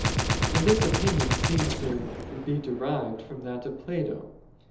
And this opinion seems to be derived from that of Plato.